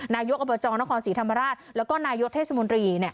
นายกอบจนครศรีธรรมราชแล้วก็นายกเทศมนตรี